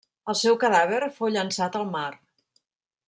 El seu cadàver fou llençat al mar.